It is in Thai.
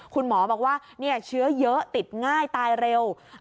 คุณหมอบอกว่าเชื้อเยอะติดง่ายตายเร็ว